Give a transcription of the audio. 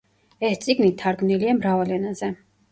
ეს წიგნი თარგმნილია მრავალ ენაზე.